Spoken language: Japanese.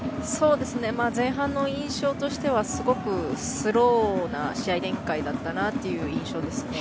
前半の印象としてはすごくスローな試合展開だったなという印象ですね。